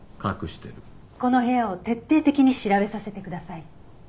この部屋を徹底的に調べさせてください。